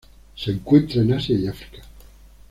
Se encuentra en Asia y África.